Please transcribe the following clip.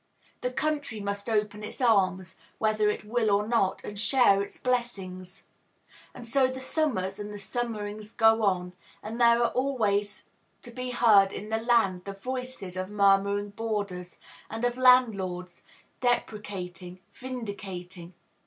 The country must open its arms, whether it will or not, and share its blessings. And so the summers and the summerings go on, and there are always to be heard in the land the voices of murmuring boarders, and of landlords deprecating, vindicating.